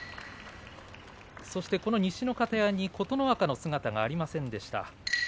西の方屋に琴ノ若の姿がありませんでした。